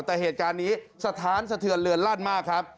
แต่เหตุการณ์นี้สถานสะเทือนเรือนลั่นมากครับ